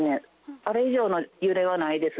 あれ以上の揺れはないです。